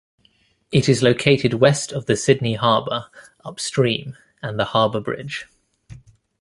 It is located west of the Sydney Harbour upstream and the Harbour Bridge.